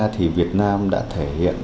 thì việt nam đã thể hiện